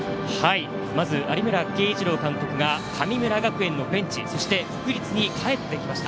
有村圭一郎監督が神村学園のベンチ、そして国立に帰ってきました。